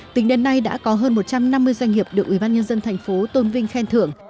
tính đến nay đã có hơn một trăm năm mươi doanh nghiệp được ủy ban nhân dân thành phố tôn binh khen thưởng